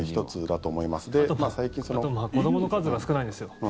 あと子どもの数が少ないんですよ。